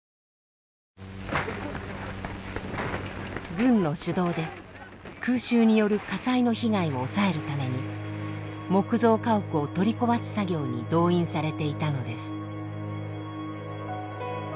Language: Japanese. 軍の主導で空襲による火災の被害を抑えるために木造家屋を取り壊す作業に動員されていたのです。